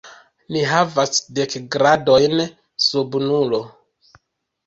Ni havas dek gradojn sub nulo.